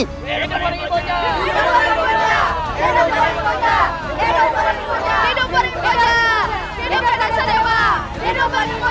hidup waringin boja